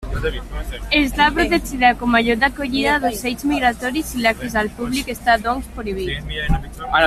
Està protegida com a lloc d'acollida d'ocells migratoris i l'accés al públic està doncs prohibit.